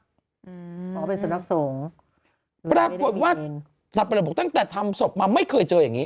อืมเพราะเขาเป็นสนักศูนย์ปรากฏว่าสรรพบกตั้งแต่ทำศพมาไม่เคยเจออย่างงี้